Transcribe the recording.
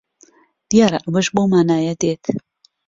دیارە ئەوەش بەو مانایە دێت